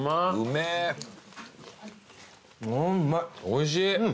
おいしい。